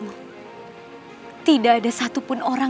pikir kak sisius siapa orang